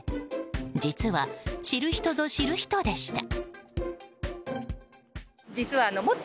実は知る人ぞ知る人でした。